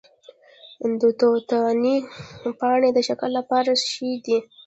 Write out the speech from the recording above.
د توتانو پاڼې د شکر لپاره ښې دي؟